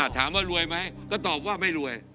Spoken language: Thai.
ถามว่ารวยไหมก็ตอบว่าไม่รวย